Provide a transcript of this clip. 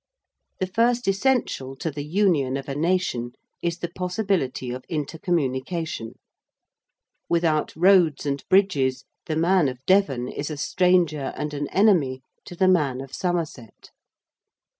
The first essential to the union of a nation is the possibility of intercommunication: without roads and bridges the man of Devon is a stranger and an enemy to the man of Somerset.